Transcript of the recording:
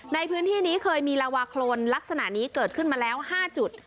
ในพื้นที่นี้เคยมีลาวาโครนลักษณะนี้เกิดขึ้นมาแล้ว๕จุด